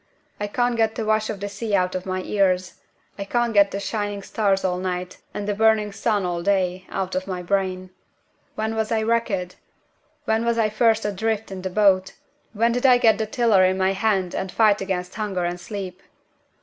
"I can't get the wash of the sea out of my ears. I can't get the shining stars all night, and the burning sun all day, out of my brain. When was I wrecked? When was I first adrift in the boat? When did I get the tiller in my hand and fight against hunger and sleep?